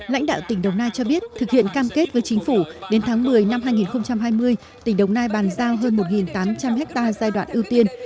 lãnh đạo tỉnh đồng nai cho biết thực hiện cam kết với chính phủ đến tháng một mươi năm hai nghìn hai mươi tỉnh đồng nai bàn giao hơn một tám trăm linh hectare giai đoạn ưu tiên